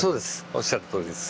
おっしゃるとおりです。